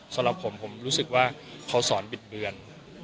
สำหรับผมผมรู้สึกว่าเขาสอนบิดเบือน